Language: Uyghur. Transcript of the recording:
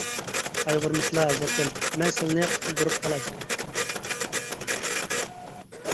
قايغۇرمىسىلا، ھەزرىتىم، مەن سىلىنى قۇتۇلدۇرۇپ قالاي.